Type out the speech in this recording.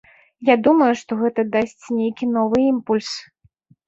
Я думаю, што гэта дасць нейкі новы імпульс.